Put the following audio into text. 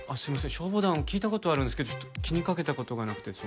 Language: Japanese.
消防団聞いた事あるんですけどちょっと気にかけた事がなくてその。